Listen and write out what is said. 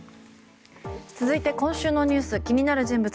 続いて今週のニュース気になる人物